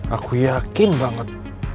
aku yakin banget